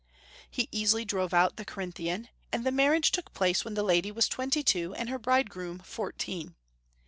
He easily drove out the Carinthian, and the marriage took place when the lady was twenty two and her bridegroom four teen.